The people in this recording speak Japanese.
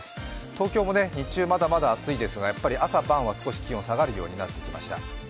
東京も日中まだまだ暑いですが、朝晩は少し気温が下がるようになってきました。